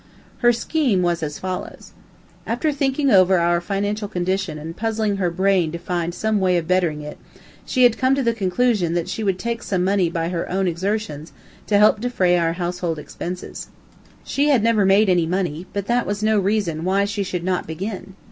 Her scheme was as follows: After thinking over our financial condition and puzzling her brain to find out some way of bettering it, she had come to the conclusion that she would make some money by her own exertions, to help defray our household expenses. She never had made any money, but that was no reason why she should not begin.